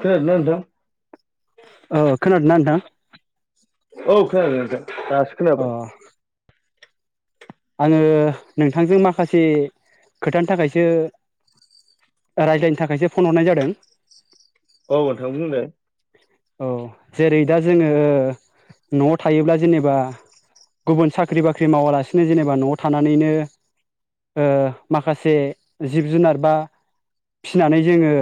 खोनादों ना नोंथां? औ खोनादोंना नोंथां? औ खोनादों नोंथां दासो अ खोनाबाय आङो नोंथांजों माखासे खोथानि थाखायसो रायज्लायनो थाखायसो फन हरनाय जादों औ नोंथां बुंदो औ जेरै दा जोङो न'आव थायोब्ला जेनेबा गुबुन साख्रि बाख्रि मावालासिनो जेनेबा न'आव थानानैनो ओ माखासे जिब जुनार बा फिनानै जोङो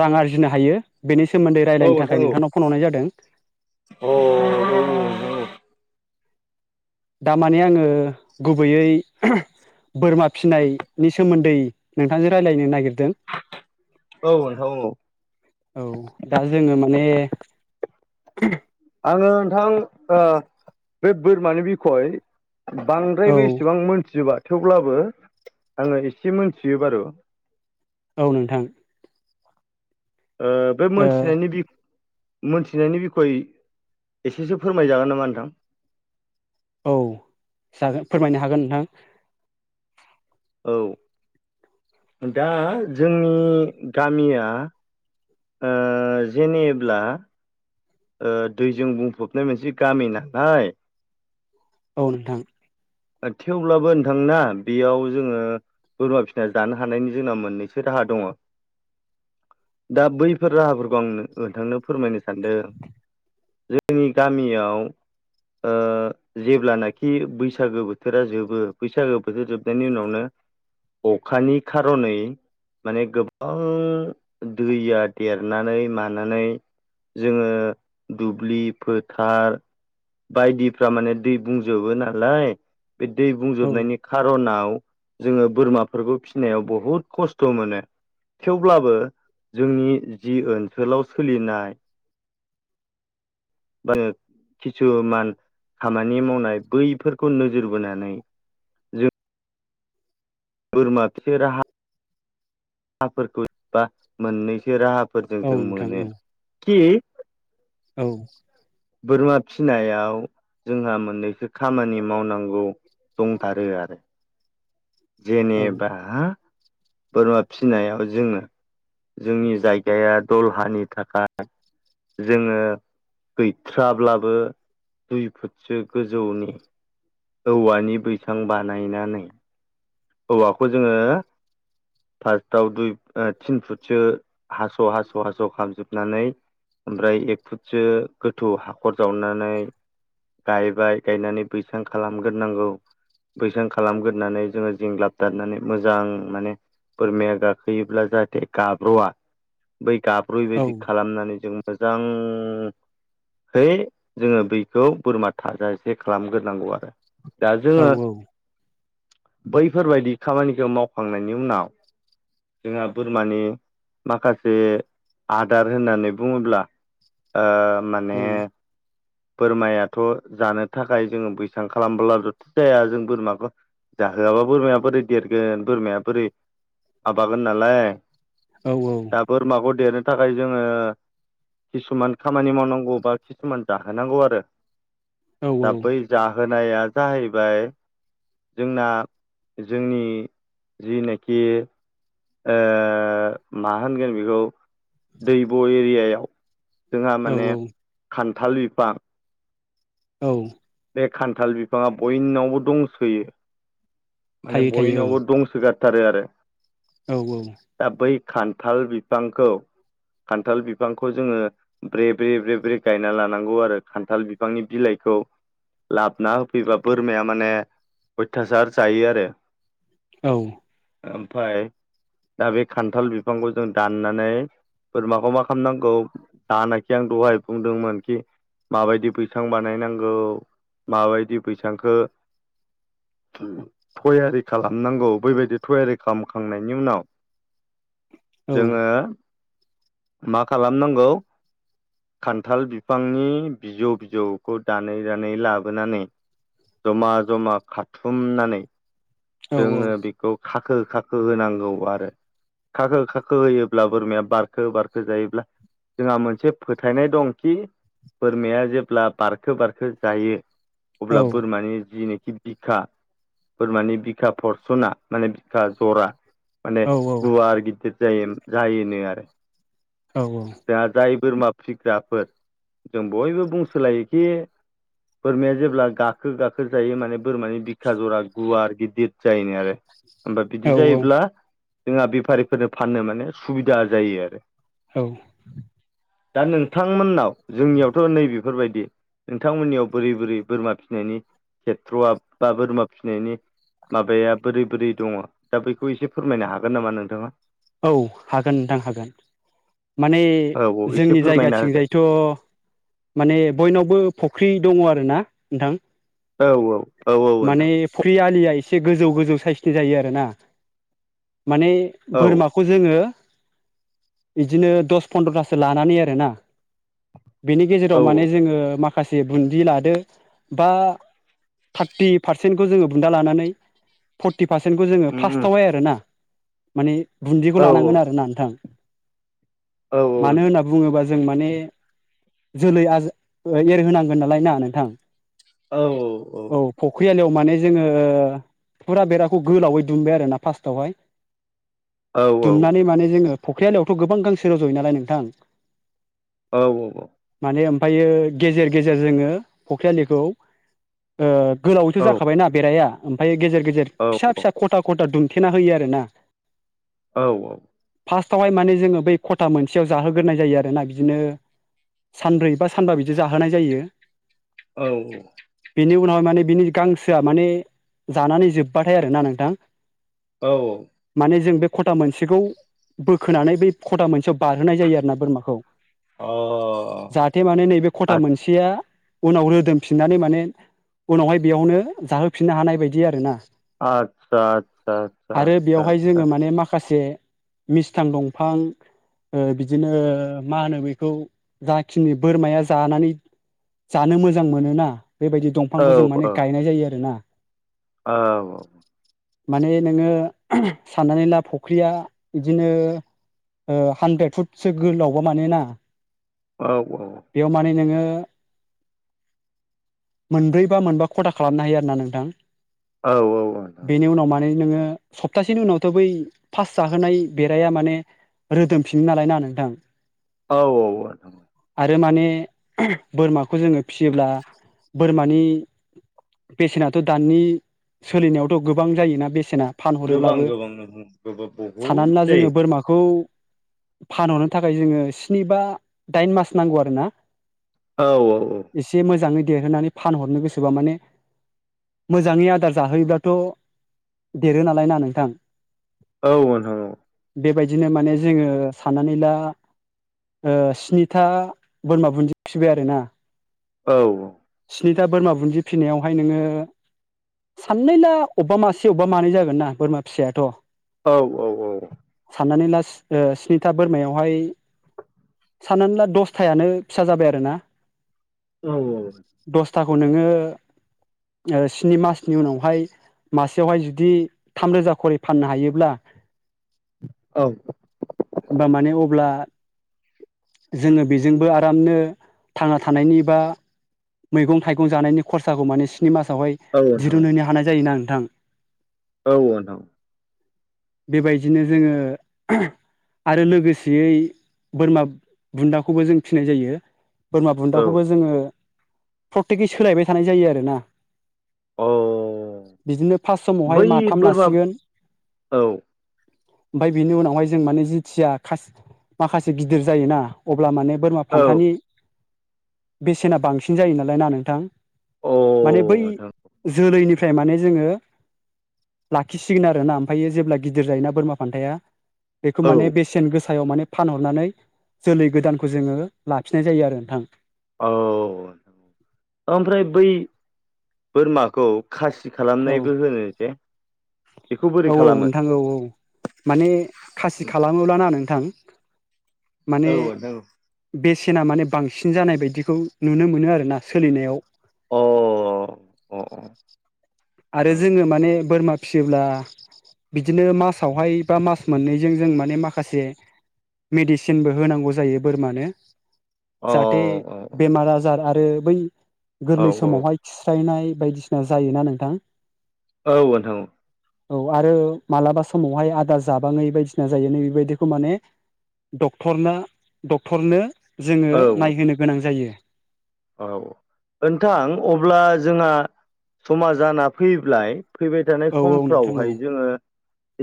रां आरजिनो हायो बेनि सोमोन औ नोंथां औ अ उम उम दामाने आङो गुबैयै बोरमा फिसिनायनि सोमोन्दै नोंथांजों रायलायनो नागिर दों अ औ नोंथां औ नोंथां औ औ दा जोङो माने [inaudible] ओ नोंथां ओ बे बोरमानि बिखय औ बांद्रायबो एसेबां मोनथिजोबा थेवब्लाबो आङो एसे मोनथियो बारु औ नोंथां ओ बे ओ मोनथिनायनि बिख मोनथिनायनि बिखय एसेसो फोरमायजागोन नामा नोंथां औ जागोन फोरमायनो हागोन नोंथां औ दा जोंनि गामिया ओ जेनेब्ला ओ दैजों बुंफबनाय मोनसे गामि नालाय औ नोंथां थेवब्लाबो नोंथांना बेयाव जोङो बोरमा फिसिना जानो हानायनि जोंना मोननैसो राहा दङ' दा बैफोर राहाफोरखौ आं नो नोंथांनो फोरमायनो सानदो जोंनि गामियाव ओ जेब्लानाखि बैस सागो बोथोरा जोबो बैसागो बोथोर जोबनायनि उनावनो अखानि खार'नै माने गोबां दैया देरनानै मानानै जोङो दुब्लि फोथार बायदिफ्रा माने दै बुंजोबो नालाय बे दै औ बुंजोबनायनि खारनाव जोङो बोरमाफोरखौ फिसिनायाव बहुद खसथ' मोनो थेवब्लाबो जोंनि ओनसोलाव जि ओनसोलाव सोलिनाय [unintelligible] खिसुमान खामानि मावनाय बैफोर खौ नोजोर बोनानै जों बोरमा जे राहा राहाफोरखौ बा मोननैसो राहा फोरजों जों नोंथां मोनो औ खि औ बोरमा फिनायाव जोंहा मोननैसो खामानि मावनांगौ दंथारो आरो जेनेबा बोरमा फिसिनायाव जोङो जोंनि जायगाया दलहानि थाखाय जोङो गैथ्राब्लाबो दुइ फुटसो गोजौनि औवानि बैसां बानायनानै औवाखौ जोङो फार्स्टआव दुइ थिन फुटसो हास' हास' हास' खालामामजोबनानै ओमफ्राय एक फुटसो गोथौ हाखर जावनानै गायबाय गायनानै बैसां खालामगोरनांगौ बैसां खालामगोरोनानै जोङो जिं लाबदारनानै मोजां माने बोरमाया गाखोयोब्ला जाहाथे गाब्र'आ बै औ गाब्रैयैबादि खालामनानै जों मोजांहै जोङो बखौ बोरमा थाजा एसे खालामग्रोनांगौ आरो दा औ जोङो बैफोर बायदि खामानिखौ मावखांनायनि उनाव जोंहा बोरमानि माखासे आदार होननानै बुङोब्ला माने बोरमायाथ' जानो थाखाय जोङो बैसां खालामब्लाबोलथ' जाया जों बोरमाखौ जाहोआबा बोरमाया बोरै देरगोन बोरमाया बोरै माबागोन नालाय औ दा बोरमाखौ देरनो नि थाखाय जोङो किसुमान खामानि मावनांगौ बा किसुमान जाहोनांगौ आरो दाबै जागोन बोरमाया जाहैबाय जोंना जोंनि जिनाखि ओ मा होनगोन बेखौ दैब' एरियायाव जोंहा औ माने थालिर फिफां औ बे खानथाल बिफाङा बयनावबो दंसोयो माने थायो थायो बयनावबो दंसोगारथारो आरो औ औ खानथाल बिफांखौ खानथाल बिफांखौ जोङो ब्रे ब्रे ब्रे ब्रे गायना लानांगौ आरो खानथाल बिफांनि बिलाइखौ लाबोना होफैबा बोरमाया माने अथासार जायो आरो औ ओमफाय दा बे खानथाल बिफांखौ जों दाननानै बोरमाखौ मा खालामनांगौ दानाखि आं दहाय बुंदोंमोनखि माबायदि बैसां बानायनांगौ माबायदि बैसांखौ थयारि खालामनांगौ बैबायदि थयारि खालामखांनायनि उनाव औ जोङो मा खालामनांगौ खानथाल बिफांनि बिजौ बिजौखौ दानै दानै लाबोनानै जमा जमा खाथुमनानै औ जोङो बेखौ खाखो खाखो होनांगौ आरो खाखो खाखो होयोब्ला बोरमाया बारखो बारखो जायोब्ला जोंहा मोनसे फोथायनाय दंखि बोरमाया जेब्ला बारखो बारखो जायो औ औ अब्ला बोरमानि जिनिखि बिखा बोरमानि बि बिखा परसना माने बिखा जरा माने गुवार गिदिर जायो जायोनो आरो दा जाय बोरमा फिग्राफोर जों बयबो बुंसोलायोखि बोरमाया जेब्ला गाखो गाखो जायो माने बोरमानि बिखा जरा गुवार गिदिर जायनि आरो होमबा बिदि जायोब्ला जोंहा बेफारिफोरनो फाननो माने सुबिदा जायो आरो औ दा नोंथांमोननाव जोंनियावथ' नैबेफोरबायदि नोंथांमोननियाव बोरै बोरै बोरमा फिनायनि खेथ्र'आ बा बोरमा फिसिनायनि माबाया बोरै बोरै दङ दा बेखौ एसे फोरमायनो हागोन नामा नोंथाङा औ हागोन नोंथां हागोन माने औ औ एसे जोंनि फोरमायना होदो जायगाथिंजायथ' माने बयनावबो फ्रि दङ आरो ना नोंथां औ औ औ औ माने नोंथां फरियालिया ए एसे गोजौ गोजौ साइसनि जायो आरो ना। माने औ बोरमाखौ जोङो बिदिनो दस फन्द्र'थासो लानानै आरोना। बेनि गेजेराव औ माने जोङो माखा माखासे बुन्दि लादो बा थार्टि पारसेन्टखौ जोङो बुन्दा लानानै र्पथि र्पथि पार्सेन्टखौ जोङो उम उम फास्टावाय आरो ना। माने बुन्दिखौ औ लानांगोन आरो ना नोंथां। औ औ मानो नोंथां होनना बुङोबा जों माने जोलै आर एरहोनांगोन नालाय ना नोंथां? औ औ फख्रि आलियाव माने जोङो फुरा बेराखौ गोलावै दुमबाय आरोना फार्स्टआवहाय। औ दुमनानै माने जोङो फख्रिलयावथ' गोबां गांसे र' ज'यो नालाय नोंथां। औ ओमफ्रायो गेजेर गेजेर जोङो फख्रिआलिखौ अ गोलावैथो औ जाखाबायना बेराया ओमफाय गेजेर गेजेर फिसा फिसा ख'था ख'था दु थेना होयो आरोना। औ औ। फार्स्टावहाय माने जोङो बै ख'था मोनसेयाव जाहोग्रोनाय जायो आरो ना बिदिनो सानब्रै बा सानबा बिदि जाहोनाय जायो। औ। बिनि उनावाय माने बिनि गांसोआ माने जानानै जोब्बाथाय आरोना नोंथां। औ माने जों बे ख'था मोनसेखौ बोखोनानै बै ख'था मोनसेयाव बारहोनाय जायो आरोना बोरमाखौ। जाहाथे माने नैबे ख'था अ मोनसेया उनाव रोदोमफिननानै माने उनावहाय बेयावनो जाहोफिननो हानाय बायदि आरोना। आतसा आतसा आतसा आतसा आतसा। से मिस्थां दंफां बिदिनो ओ मा होनो बेखौ जाखिनि बोरमाया जानानै जानो मोजां मोनोना बेबायदि आदसा दंफांखौ जों औ माने औ गायनाय जायो आरोना। औ औ। माने नोङो साननानै ला फख्रिया इदिनो ओ हानड्रेद फुटसो गोलावबा मानेना औ बेयाव माने नोङो [unintelligible] मोनब्रै बा मोनबा ख'था खालामनो हायो आरोना नोंथां। औ औ आ बेनि उनाव माने नोङो सप्तासेनि उनावथ' बै फास जाहोनाय बेराया माने रोदोमफिनो नालाय ना नोंथां। औ औ आ आरो माने बोरमाखौ जोङो फियोब्ला बोरमानि बेसेनाथ' दानि सोलिनायावथ' गोबां जायोना बेसेना। गोबां फानहरोब्लाबो गोबां [unintelligible] बहुद साननानै ला जोङो जायो। बोरमाखौ फानहरनो थाखाय जोङो स्नि बा दाइन मास नांगौ आरोना। औ औ औ। एसे मोजाङै देरहोनानै फानहरनो गोसोबा माने मोजाङै आदार जाहोयोब्लाथ' देरो नालाय ना नोंथां। औ [unintelligible] औ बेबायदिनो माने जोङो साननानै ला ओ स्निथा बोरमा बुन्दि फिबाय आरोना। औ औ। स्निथा बोरमा बुन्दि फिनायावहाय नोङो साननैला अब्बा मासे अब्बा मानै जागोन ना बोरमा फिसायाथ'। औ औ औ। साननानै लास ओ स्निथा बोरमायावहाय साननानै ला दसथायानो फिसा जाबाय आरोना। औ औ थाखौ नोङो ओ स्नि मासनि उनावहाय मासेयावहाय जुदि थामरोजा खरि फाननो हायोब्ला [inaudible] औ होनबा माने अब्ला जोङो बेजोंबो आरामनो थांना थानायनि बा मैगं थाइगं जानायनि खरसाखौ माने स्नि मासावहाय दिरुनहैनो हानाय जायोना। थां औ नोंथां औ बेबायदिनो जोङो आरो लोगोसेयै बोरमा बुन्दाखौबो जों फिनाय जायो। बोरमा औ बुन्दाखौबो जोङो प्रतेकै सोलायबाय थानाय जायो आरोना। अ बिदिनो फास समावहाय बै माथाम बोरमा लासिगोन औ ओमफाय बिनि उनावहाय जों माने जिथिया माखासे गिदिर जायोना अब ब्ला माने बोरमा अ फानथानि बेसेना बांसिन जायो नालाय ना नोंथां? माने बै नोंथां जोलैनि ओमफ्राय माने जोङो लाखिसिगोन आरोना ओमफायो जेब्ला गिदिर जायोना बोरमा फान्थाया बेखौ औ माने बेसेन गोसायाव माने फानहरनानै जोलै गोदानखौ जोङो लाफिननाय जायो आरो नोंथां। औ ओमफ्राय बै बोरमाखौ खासि औ खालामनायबो होनो जे बेखौ बोरै औ औ खालामो? नोंथां औ औ माने खासि खालामोब्लाना ना नोंथां माने औ नोंथां बे सेना माने बांसिन जानाय बायदिखौ नुनो मोनो आरोना सोलिनायाव। अ अ अ आरो औ जोङो माने बोरमा फियोब्ला बिदिनो मासावहाय बा मास मोननैजों जों माने माखासे मेडिसिनबो होनांगौ जायो बोरमानो। जाहाथे बेमार आजार आरो आरो बै औ गोरलै समावहाय औ खिस्रायनाय बायदिसिना जायोना नोंथां औ नोंथां औ। औ आरो मालाबा समावहाय आदार जाबाङै बायदिसिना जायो नै बेबायदिखौ माने डक्टरनो डक्टरनो जोङो औ नायहोनो गोनां जायो। औ नोंथां अब्ला जोंहा समा जाना फैब्लाय फैबाय थानाय औ औ नोंथां औ समफ्रावहाय जोङो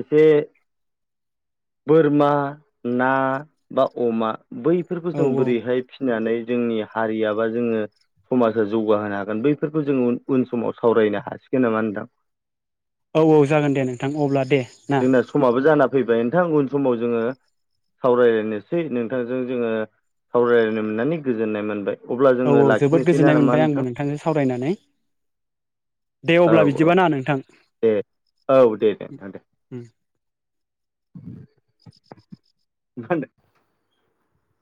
एसे बोरमा, ना, बा अमा बैफोरखौ औ जों बोरैहाय फिनानै जोंनि हारिया बा जोङो समाजा जौगाहोनो हागोन बैफोरखौ जोङो उन समाव सावरायनो हासिगोन नामा नोंथां? औ औ जागोन दे नोंथां अब्ला दे। ना जोंना समाबो जानाब फैबाय नोंथां उन समाव जोङो सावरायलायनोसै नोंथांजों जोङो सावरायलायनो मोननानै गोजोननाय मोनबाय। अब्ला औ जोङो औ जोबोद लाखिनोसै ना गोजोननाय नामा मोनबाय नोंथां आंबो नोंथांजों सावरायनानै। दे औ अब्ला औ बिदिबा ना नोंथां दे औ दे दे नोंथां [unintelligible]